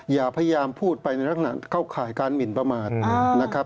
อย่าพยายามพูดไปในลักษณะเข้าข่ายการหมินประมาทนะครับ